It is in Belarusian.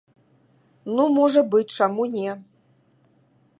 Ну, можа быць, чаму не?